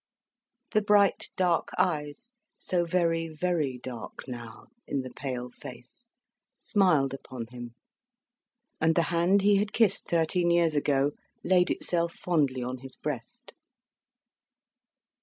The bright, dark eyes so very, very dark now, in the pale face smiled upon him; and the hand he had kissed thirteen years ago laid itself fondly on his breast.